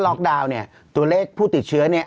ล็อกดาวน์ตัวเลขผู้ติดเชื้อเนี่ย